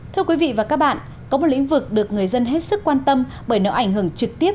thưa quý vị và các bạn có một lĩnh vực được người dân hết sức quan tâm bởi nó ảnh hưởng trực tiếp